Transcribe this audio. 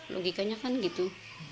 logikanya kan gitu